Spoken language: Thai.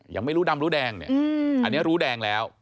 ยังไม่รู้ดำรู้แดงเนี่ยอันนี้รู้แดงแล้ว